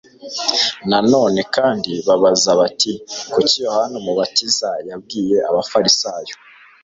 Na none kandi babaza bati Kuki Yohana Umubatiza yabwiye Abafarisayo